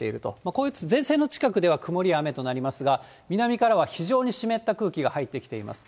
こういう前線の近くでは曇りや雨となりますが、南からは非常に湿った空気が入ってきています。